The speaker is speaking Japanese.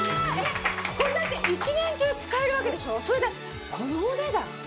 これ１年中使えるわけでしょうそれでこのお値段。